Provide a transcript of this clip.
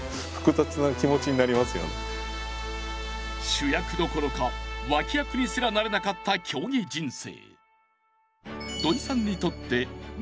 主役どころか脇役にすらなれなかった競技人生。